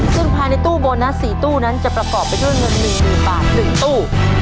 ซึ่งภายในตู้โบนัส๔ตู้นั้นจะประกอบไปด้วยเงิน๑๐๐๐บาท๑ตู้